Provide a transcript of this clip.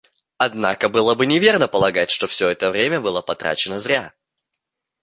Однако было бы неверно полагать, что все это время было потрачено зря.